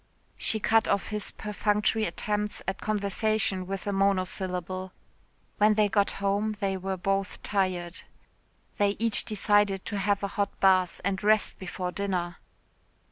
She cut off his perfunctory attempts at conversation with a monosyllable. When they got home they were both tired. They each decided to have a hot bath and rest before dinner.